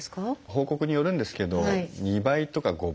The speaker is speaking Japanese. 報告によるんですけど２倍とか５倍とかですね